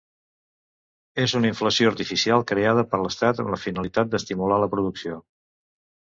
És una inflació artificial creada per l'Estat amb la finalitat d'estimular la producció.